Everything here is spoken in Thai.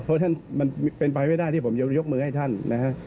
เพราะฉะนั้นมันเป็นไปไม่ได้ที่ผมจะยกมือให้เขา